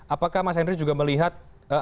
apakah mas henry juga melihat